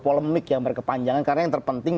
polemik yang berkepanjangan karena yang terpenting